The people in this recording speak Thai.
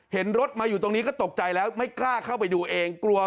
เห็นรถมาอยู่ตรงนี้ก็ตกใจแล้วไม่กล้าเข้าไปดูเองกลัว